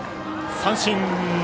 三振。